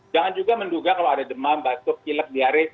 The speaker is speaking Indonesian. jangan juga menduga kalau ada demam batuk pilek diare